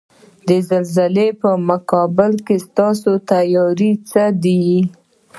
د زلزلې په مقابل کې ستاسو تیاری څه دی؟